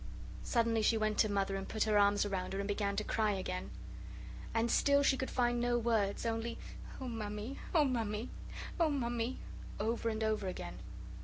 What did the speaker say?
Suddenly she went to Mother and put her arms round her and began to cry again. And still she could find no words, only, "Oh, Mammy, oh, Mammy, oh, Mammy," over and over again.